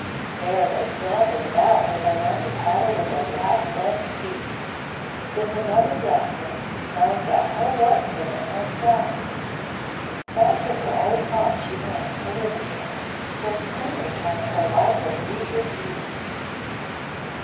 There they floundered about till they learned to paddle with their black webbed feet. Then the mother left them, knowing that her work for them was done. Back to her old haunt she went, to live again, till spring returned, her life of leisured ease.